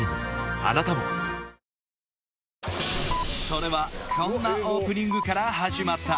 それはこんなオープニングから始まった